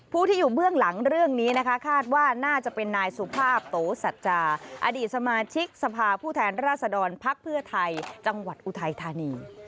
ผู้ที่อยู่เบื้องหลังเรื่องนี้นะคะคาดว่าน่าจะเป็นนายสุภาพโตสัจจาอดีตสมาชิกสภาผู้แทนราษฎรพักเพื่อไทยจังหวัดอุทัยธานี